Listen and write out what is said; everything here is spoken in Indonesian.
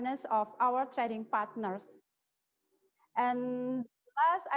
dan kebukaan pasangan perdagangan